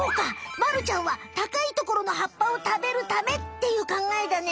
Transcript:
まるちゃんは高いところの葉っぱを食べるためっていうかんがえだね。